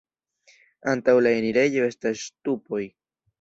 Antaŭ la enirejo estas ŝtupoj.